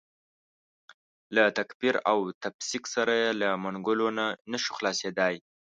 له تکفیر او تفسیق سره یې له منګولو نه شو خلاصېدای.